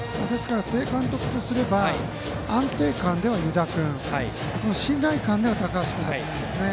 須江監督とすれば安定感では湯田君信頼感では高橋君だと思いますね。